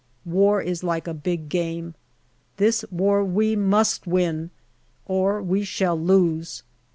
War is like a big game. This war we must win or we shall lose.